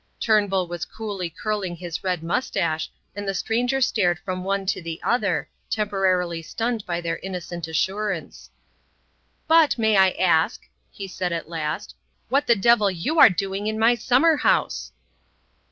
Turnbull was coolly curling his red moustache, and the stranger stared from one to the other, temporarily stunned by their innocent assurance. "But, may I ask," he said at last, "what the devil you are doing in my summer house?"